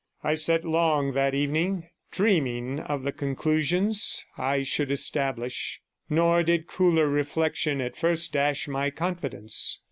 I sat long that evening dreaming of the conclusions I should establish, nor did cooler reflection at first dash my confidence.